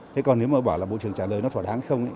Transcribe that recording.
thế còn nếu mà bảo là bộ trưởng trả lời nó thỏa đáng hay không